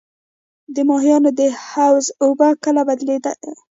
د ماهیانو د حوض اوبه کله بدلې کړم؟